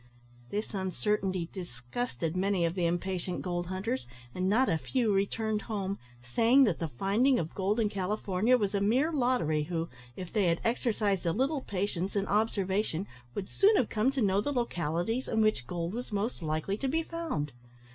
This uncertainty disgusted many of the impatient gold hunters, and not a few returned home, saying that the finding of gold in California was a mere lottery, who, if they had exercised a little patience and observation, would soon have come to know the localities in which gold was most likely to be found.